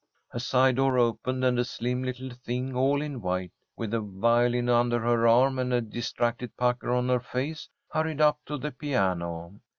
A side door opened, and a slim little thing all in white, with a violin under her arm and a distracted pucker on her face, hurried up to the piano.